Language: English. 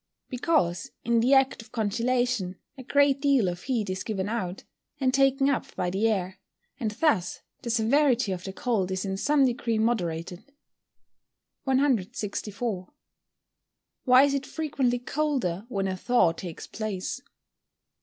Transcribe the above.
_ Because, in the act of congealation a great deal of heat is given out, and taken up by the air, and thus the severity of the cold is in some degree moderated. 164. _Why is it frequently colder when a thaw takes place?